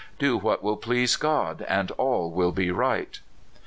Do what will please God, and all will be right."